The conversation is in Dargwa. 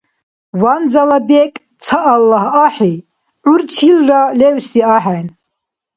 Ванзала бекӀ ца Аллагь ахӀи, гӀур чилра левси ахӀен.